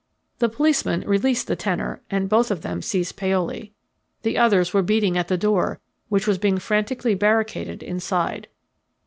The policeman released the tenor, and both of them seized Paoli. The others were beating at the door, which was being frantically barricaded inside.